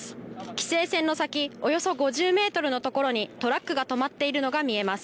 規制線の先、およそ５０メートルのところにトラックが止まっているのが見えます。